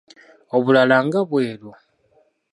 Obulala nga bweru.